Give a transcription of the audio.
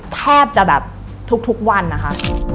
แทบจะแบบทุกวันนะคะ